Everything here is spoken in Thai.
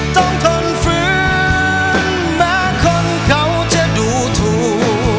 ต้องทนฝืนแม้คนเขาจะดูถูก